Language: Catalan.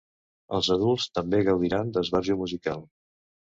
Els adults també gaudiran d’esbarjo musical.